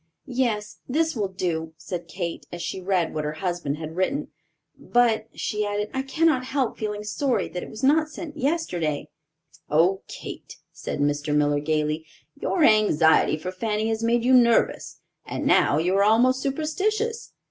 "Yes, this will do," said Kate, as she read what her husband had written. "But," she added, "I cannot help feeling sorry that it was not sent yesterday." "Oh, Kate," said Mr. Miller, gayly, "your anxiety for Fanny has made you nervous, and now you are almost superstitious.